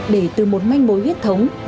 để từ một manh mối huyết thống